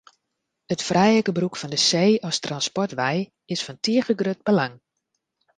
It frije gebrûk fan de see as transportwei is fan tige grut belang.